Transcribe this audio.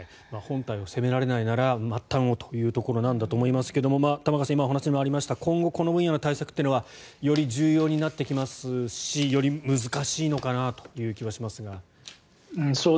本体を攻められないなら末端をということだと思いますが玉川さん、今お話にもありました今後、この分野の対策というのはより重要になってきますしより難しいのかなという気はしますが。